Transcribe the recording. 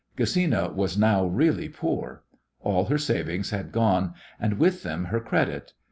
Gesina was now really poor. All her savings had gone, and with them her credit.